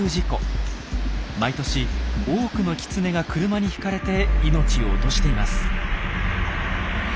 毎年多くのキツネが車にひかれて命を落としています。